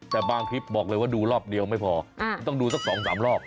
แต่บางคลิปบอกเลยว่าดูรอบเดียวไม่พอมันต้องดูสัก๒๓รอบ